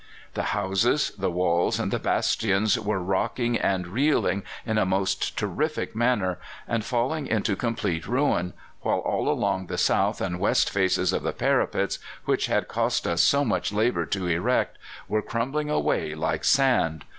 The houses, the walls, and the bastions were rocking and reeling in a most terrific manner, and falling into complete ruin, while all along the south and west faces the parapets, which had cost us so much labour to erect, were crumbling away like sand.